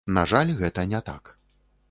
На жаль, гэта не так.